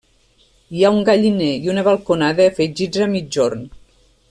Hi ha un galliner i una balconada afegits a migjorn.